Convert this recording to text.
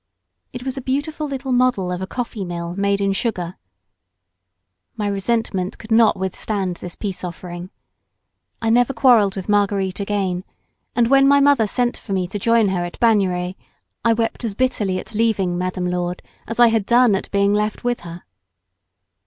It was a beautiful little model of a coffeemill made in sugar. My resentment could not withstand this peace offering. I never quarrelled with Marguerite again, and when my mother sent for me to join her at Bagneres I wept as bitterly at leaving Madame Lourdes as I had done at being left with her.